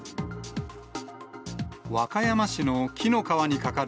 和歌山市の紀の川に架かる